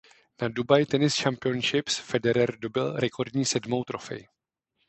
Na Dubai Tennis Championships Federer dobyl rekordní sedmou trofej.